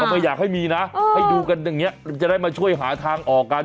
ไม่อยากให้มีนะให้ดูกันอย่างนี้จะได้มาช่วยหาทางออกกัน